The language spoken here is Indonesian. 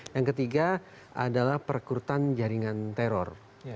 yang ketiga adalah perkurutan jaringan teror